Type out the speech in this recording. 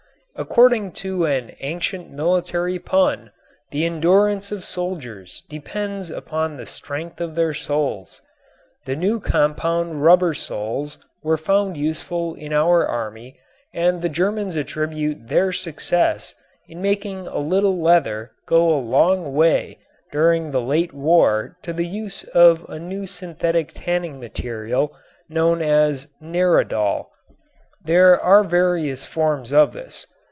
According to an ancient military pun the endurance of soldiers depends upon the strength of their soles. The new compound rubber soles were found useful in our army and the Germans attribute their success in making a little leather go a long way during the late war to the use of a new synthetic tanning material known as "neradol." There are various forms of this.